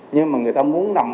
nhưng mà người ta muốn nằm